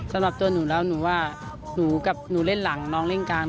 สำหรับตัวหนูแล้วแบบหนูเล่นหลังน้องเล่นกลาง